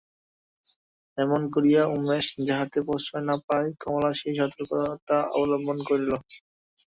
এমনি করিয়া উমেশ যাহাতে প্রশ্রয় না পায়, কমলা সেই সতর্কতা অবলম্বন করিল।